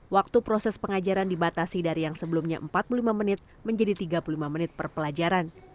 waktu proses pengajaran dibatasi dari yang sebelumnya empat puluh lima menit menjadi tiga puluh lima menit per pelajaran